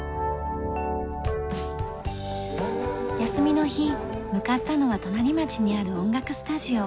休みの日向かったのは隣町にある音楽スタジオ。